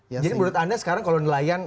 jadi menurut anda sekarang kalau nelayan